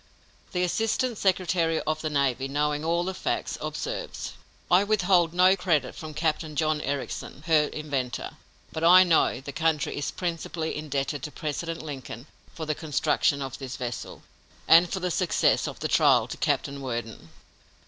The assistant secretary of the navy, knowing all the facts, observes: "I withhold no credit from Captain John Ericsson, her inventor, but I know the country is principally indebted to President Lincoln for the construction of this vessel, and for the success of the trial to Captain Worden."